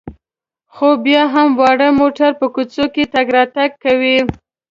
خو بیا هم واړه موټر په کوڅو کې تګ راتګ کوي.